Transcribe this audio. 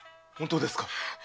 本当ですか？